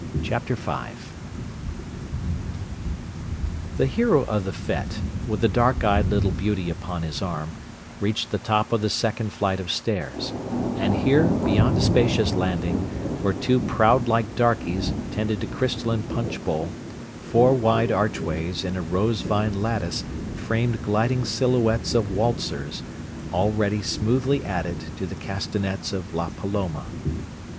Chapter V The hero of the fête, with the dark eyed little beauty upon his arm, reached the top of the second flight of stairs; and here, beyond a spacious landing, where two proud like darkies tended a crystalline punch bowl, four wide archways in a rose vine lattice framed gliding silhouettes of waltzers, already smoothly at it to the castanets of "La Paloma."